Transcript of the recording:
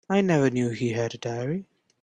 I never knew he had a diary.